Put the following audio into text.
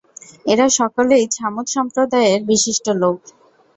এরা সকলেই ছামূদ সম্প্রদায়ের বিশিষ্ট লোক।